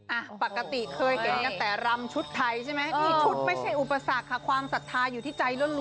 อ่ะปกติเคยเห็นกันแต่รำชุดไทยใช่ไหมนี่ชุดไม่ใช่อุปสรรคค่ะความศรัทธาอยู่ที่ใจล้วน